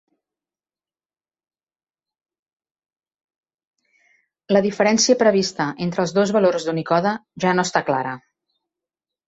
La diferència prevista entre els dos valors d'Unicode ja no està clara.